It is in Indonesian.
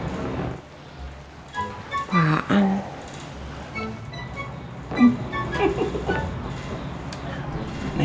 si tino udah pindah